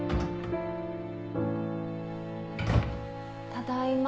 ただいま。